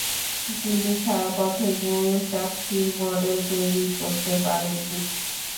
তিনি ছায়াপথের মূল চাকতির মডেল তৈরি করতে পারেননি।